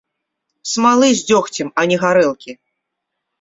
Смалы з дзёгцем, а не гарэлкі.